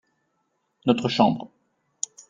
notre chambre.